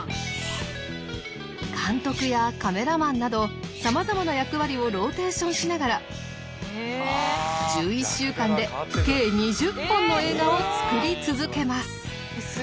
監督やカメラマンなどさまざまな役割をローテーションしながら１１週間で計２０本の映画を作り続けます。